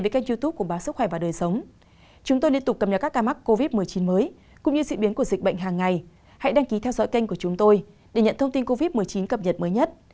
các bạn hãy đăng ký kênh của chúng tôi để nhận thông tin cập nhật mới nhất